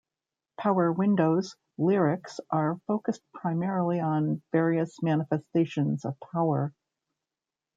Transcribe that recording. "Power Windows" lyrics are focused primarily on various manifestations of power.